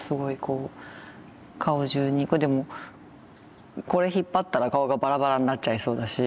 これでもこれ引っ張ったら顔がバラバラになっちゃいそうだし。